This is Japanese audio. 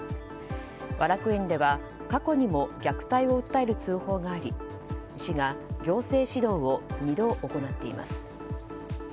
和楽園では過去にも虐待を訴える通報があり市が行政指導を２度行っています。